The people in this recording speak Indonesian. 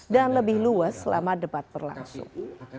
dan lebih luas selama debat berlangsung